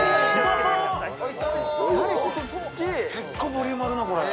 結構ボリュームあるな、これ。